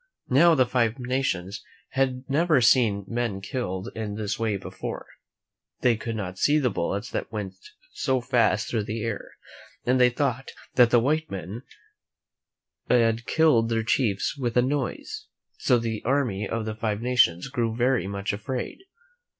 Now, the Five Nations had never seen men killed in this way before. They could not see the bullets that went so fast through it); THE M E N W H O FOUND A M E R I C A ■ 1 ^:.;i'^?Si« •'■• ,^:^i: .^ >*2 the air, and they thought that the white men had killed their chiefs with a noise; so the army of the Five Nations grew very much afraid.